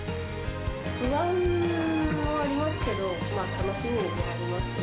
不安もありますけど、楽しみもありますね。